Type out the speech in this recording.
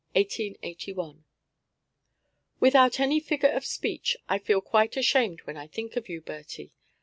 III. HOME, 15th October, 1881. Without any figure of speech I feel quite ashamed when I think of you, Bertie.